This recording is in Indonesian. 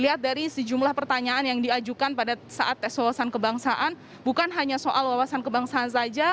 lihat dari sejumlah pertanyaan yang diajukan pada saat tes wawasan kebangsaan bukan hanya soal wawasan kebangsaan saja